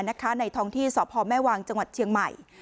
ในท้องที่สพแม่วางจังหวัดเชียงใหม่